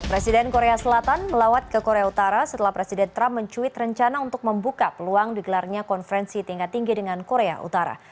presiden korea selatan melawat ke korea utara setelah presiden trump mencuit rencana untuk membuka peluang digelarnya konferensi tingkat tinggi dengan korea utara